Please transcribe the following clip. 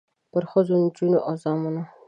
پرښخو، نجونو او زامنو